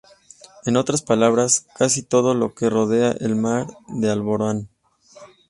En otras palabras, casi todo lo que rodea al mar de Alborán.